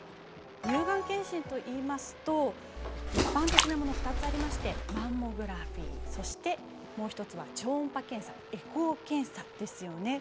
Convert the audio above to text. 乳がん検診といいますと一般的なものが２つありましてマンモグラフィーそしてもう１つは超音波検査、エコー検査ですよね。